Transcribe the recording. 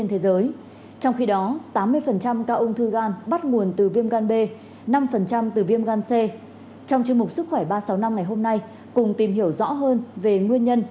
trong chương mục sức khỏe ba trăm sáu mươi năm ngày hôm nay cùng tìm hiểu rõ hơn về nguyên nhân